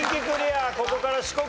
ここから四国です。